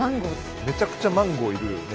めちゃくちゃマンゴーいるよね。